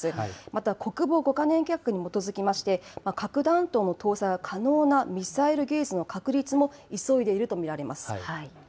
また国防５か年計画に基づきまして、核弾頭の搭載が可能なミサイル技術の確立も急いでいると見られます。